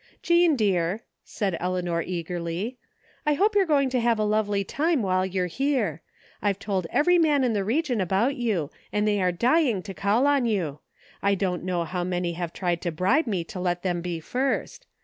Jean, dear," said Eleanor eagerly, " I hope you're going to have a lovely time while you're here. I've told every man in the region about you and tihey are dying to call on you. I don't know how many have tried to bribe me to let them be first.